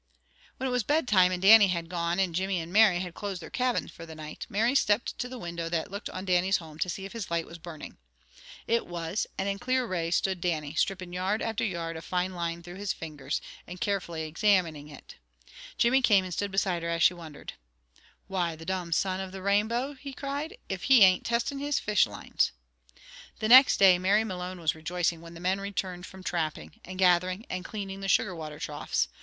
When it was bedtime, and Dannie had gone an Jimmy and Mary closed their cabin for the night, Mary stepped to the window that looked on Dannie's home to see if his light was burning. It was, and clear in its rays stood Dannie, stripping yard after yard of fine line through his fingers, and carefully examining it. Jimmy came and stood beside her as she wondered. "Why, the domn son of the Rainbow," he cried, "if he ain't testing his fish lines!" The next day Mary Malone was rejoicing when the men returned from trapping, and gathering and cleaning the sugar water troughs.